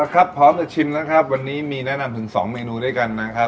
ครับพร้อมจะชิมนะครับวันนี้มีแนะนำถึง๒เมนูด้วยกันนะครับ